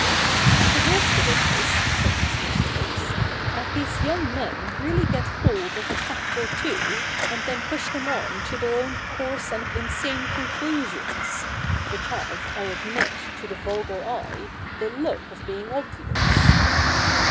' And the worst of it is,' said Mr. Storks, ' that these young men really get hold of a fact or two, and then push them on to their own coarse and insane conclusions — 204 THE NEW REPUBLIC [kk. iv which have, I admit, to the vulgar eye, the look of being obvious.'